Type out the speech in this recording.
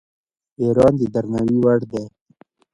ایران د درناوي وړ دی.